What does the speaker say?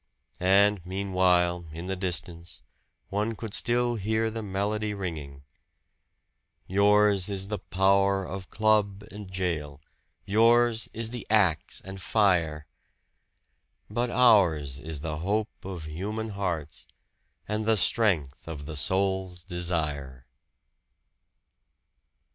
And meanwhile, in the distance one could still hear the melody ringing: Yours is the power of club and jail, yours is the axe and fire, But ours is the hope of human hearts and the strength of the soul's desire!